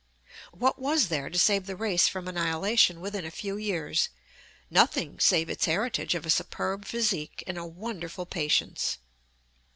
What was there to save the race from annihilation within a few years? Nothing, save its heritage of a superb physique and a wonderful patience.